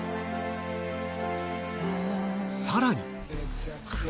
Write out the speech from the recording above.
さらに。